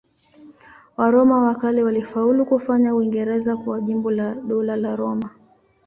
Waroma wa kale walifaulu kufanya Uingereza kuwa jimbo la Dola la Roma.